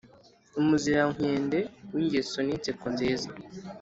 umuzirankende w’ingeso n’inseko nziza